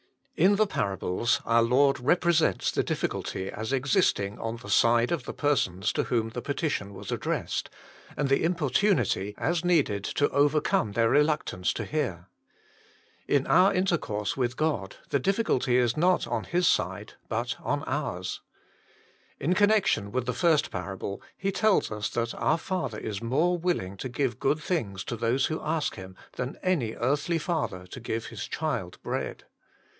In the parables our Lord represents the difficulty as existing on the side of the persons to whom the petition was addressed, and the importunity as needed to overcome their reluctance to hear. In our intercourse with God the difficulty is not on His side, but on ours. In connection with the first parable He tells us that our Father is more willing to give good things to those who ask Him than any earthly father to give his child bread.